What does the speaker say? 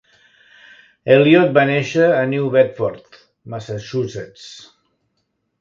Eliot va néixer a New Bedford, Massachusetts.